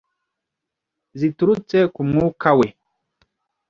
ziturutse ku mwuka we